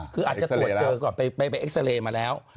คืออาจจะตรวจเจอก่อนไปเอ็กซาเรย์มาแล้ว